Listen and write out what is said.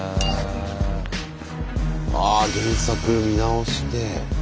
あ原作見直して。